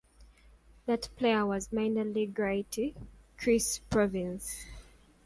That player was minor league righty Chris Province.